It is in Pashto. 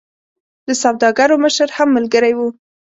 د سوداګرو مشر هم ملګری وو.